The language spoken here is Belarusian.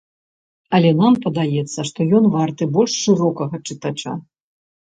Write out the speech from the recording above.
Але нам падаецца, што ён варты больш шырокага чытача.